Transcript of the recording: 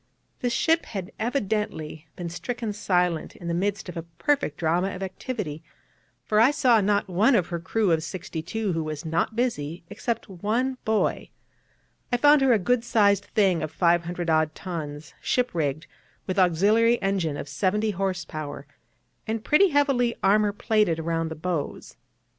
This ship had evidently been stricken silent in the midst of a perfect drama of activity, for I saw not one of her crew of sixty two who was not busy, except one boy. I found her a good sized thing of 500 odd tons, ship rigged, with auxiliary engine of seventy horse power, and pretty heavily armour plated round the bows.